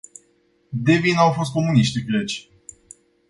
De vină au fost comuniștii greci.